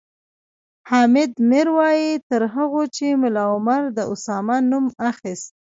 حامد میر وایي تر هغو چې ملا عمر د اسامه نوم اخیست